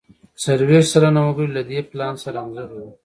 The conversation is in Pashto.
څلوېښت سلنه وګړي له دې پلان سره همغږي وو.